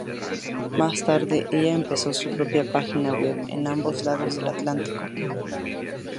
Más tarde, ella empezó su propia página web en ambos lados del Atlántico.